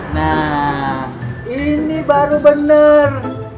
nah ini baru benar